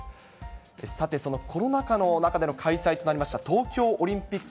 さて、そのコロナ禍の中での開催となりました東京オリンピック。